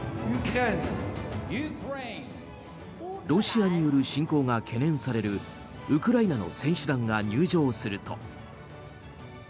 ロシアによる侵攻が懸念されるウクライナの選手団が入場すると。